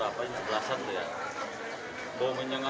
bau gas yang sangat menyengat